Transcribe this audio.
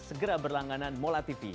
segera berlangganan mola tv